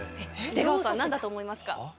出川さん何だと思いますか？